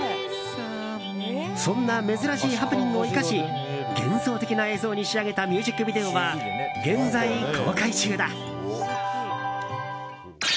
そんな珍しいハプニングを生かし幻想的な映像に仕上げたミュージックビデオは現在公開中だ。